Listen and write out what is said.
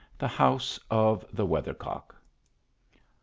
THE HOUSE OF THE WEATHER COCK.